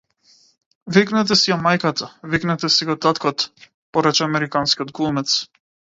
Викнете си ја мајката, викнете си го таткото, порача американскиот глумец.